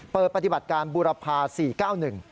ปฏิบัติการบุรพาสี่เก้าหนึ่ง